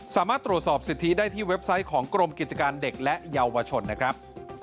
สามารถตรวจสอบสิทธิได้ที่เว็บไซต์ของกรมกิจการเด็กและเยาวชนนะครับ